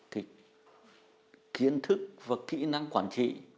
thì kiến thức và kỹ năng quản trị